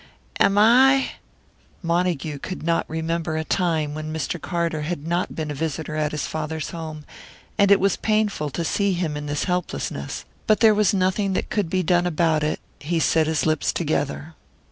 Am I " Montague could not remember a time when Mr. Carter had not been a visitor at his father's home, and it was painful to see him in his helplessness. But there was nothing that could be done about it; he set his lips together.